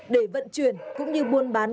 để vận chuyển cũng như buôn bán